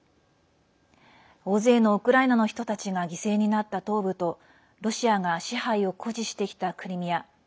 大勢のウクライナの人たちが犠牲になった東部とロシアが支配を誇示してきたクリミア。